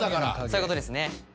そういうことですね。